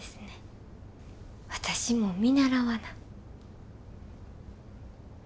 私も見習わな。